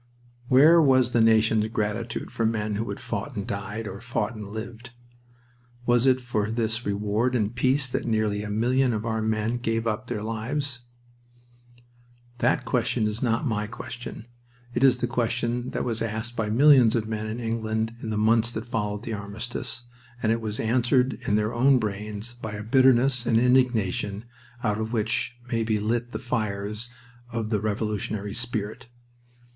Where was the nation's gratitude for the men who had fought and died, or fought and lived? Was it for this reward in peace that nearly a million of our men gave up their lives? That question is not my question. It is the question that was asked by millions of men in England in the months that followed the armistice, and it was answered in their own brains by a bitterness and indignation out of which may be lit the fires of the revolutionary spirit.